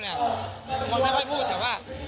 แต่ว่าเขาเลยอยากให้ลูกพูด